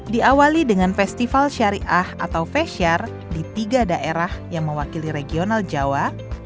diawali dengan festival syariah atau fesyar di tiga daerah yang mewakili regional jawa